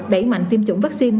đẩy mạnh tiêm chủng vaccine